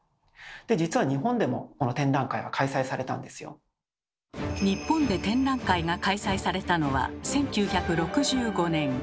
実は日本で展覧会が開催されたのは１９６５年。